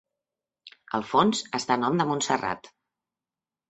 El fons està a nom de Montserrat.